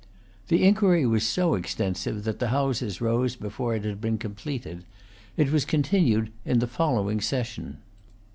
The inquiry was so extensive that the Houses rose before it had been completed. It was continued in the following session.